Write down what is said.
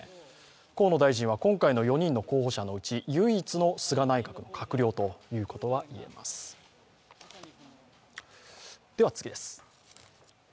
河野大臣は今回の４人の候補者のうち唯一の菅内閣の閣僚ということがいえます。